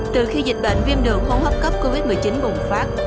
từ khi dịch bệnh viêm đường hỗn hợp cấp covid một mươi chín bùng phát